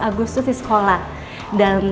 agustus di sekolah dan